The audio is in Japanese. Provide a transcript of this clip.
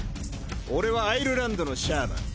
俺はアイルランドのシャーマン。